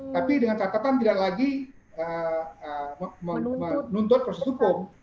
tapi dengan catatan tidak lagi menuntut proses hukum